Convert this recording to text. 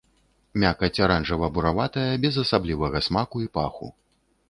Мякаць аранжава-бураватая, без асаблівага смаку і паху.